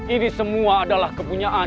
ini semua adalah kepunyaan